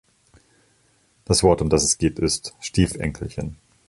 Das Wort, um das es geht, ist 'Stiefenkelchen'.